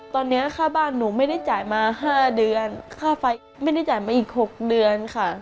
ตอนนี้ค่าบ้านหนูไม่ได้จ่ายมา๕เดือนค่าไฟไม่ได้จ่ายมาอีก๖เดือนค่ะ